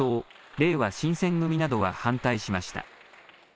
れいわ新選組などは反対しました。